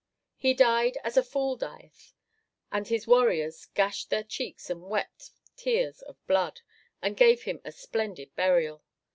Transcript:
He died as a fool dieth; and his warriors gashed their cheeks and wept tears of blood, and gave him a splendid burial.